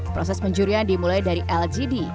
proses penjurian dimulai dari lgd